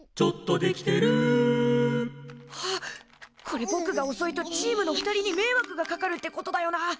これぼくがおそいとチームの２人にめいわくがかかるってことだよな。